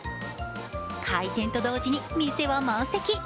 開店と同時に店は満席。